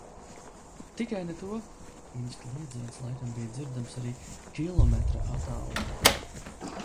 Tikai ne to! viņas kliedziens laikam bija dzirdams arī kilometra attālumā...